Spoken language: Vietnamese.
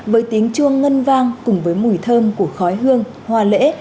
với tiếng chuông ngân vang cùng với mùi thơm của khói hương hoa lễ